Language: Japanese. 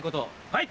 はい！